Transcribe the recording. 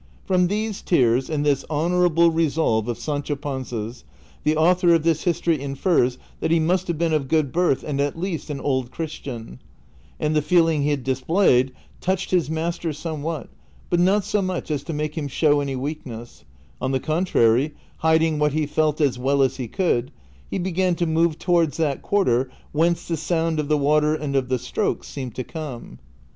From these tears and this honorable resolve of Sancho Panza's the author of this history infers that he must have been of good birth and at least an old Christian ;^ and the feeling he displayed touched his master somewliat, but not so much as to make him show any weakness ; on the contrary, hiding what he felt as well as he could, he began to move towards that quarter whence the sound of the water and of the strokes seemed to come.